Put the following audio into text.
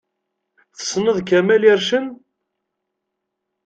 Tessneḍ Kamel Ircen?